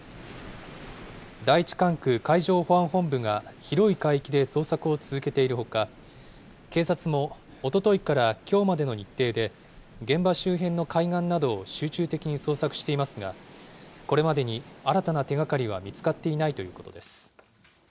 第１管区海上保安本部が広い海域で捜索を続けているほか、警察もおとといからきょうまでの日程で、現場周辺の海岸などを集中的に捜索していますが、これまでに新たな手がかりは見つかっていないということです。